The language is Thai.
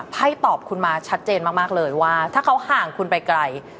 ไพ่ตอบคุณมาชัดเจนมากเลยว่าถ้าเขาห่างคุณไปไกล